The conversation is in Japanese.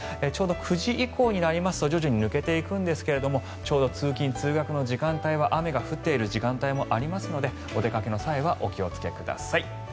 ちょうど９時以降になると徐々に抜けていくんですがちょうど通勤・通学の時間帯は雨が降っている時間帯もありますのでお出かけの際はお気をつけください。